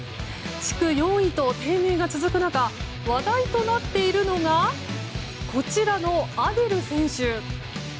地区４位と低迷が続く中話題となっているのがこちらのアデル選手。